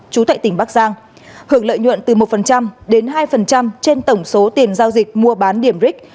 chú tại tỉnh bắc giang hưởng lợi nhuận từ một đến hai trên tổng số tiền giao dịch mua bán điểm ric